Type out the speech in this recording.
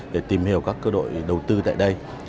để tìm hiểu các cơ đội đầu tư tại đây